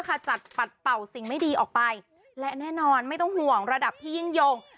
จัดปัดเป่าสิ่งไม่ดีออกไปและแน่นอนไม่ต้องห่วงระดับพี่ยิ่งยง